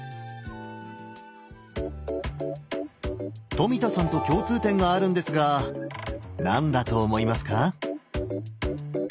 富田さんと共通点があるんですが何だと思いますか？